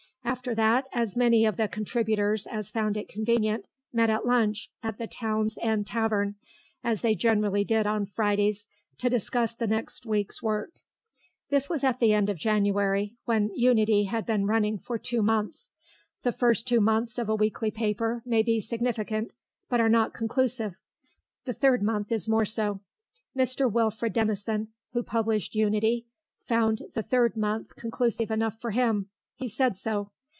After that as many of the contributors as found it convenient met at lunch at the Town's End Tavern, as they generally did on Fridays, to discuss the next week's work. This was at the end of January, when Unity had been running for two months. The first two months of a weekly paper may be significant, but are not conclusive. The third month is more so. Mr. Wilfred Denison, who published Unity, found the third month conclusive enough for him. He said so.